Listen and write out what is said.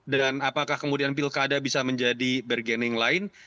dan apakah kemudian pilkada bisa menjadi bargaining lain